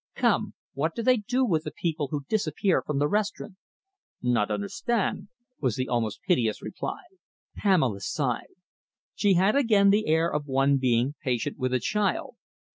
Come, what do they do with the people who disappear from the restaurant?" "Not understand," was the almost piteous reply. Pamela sighed. She had again the air of one being patient with a child.